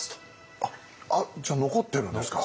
じゃあ残ってるんですか？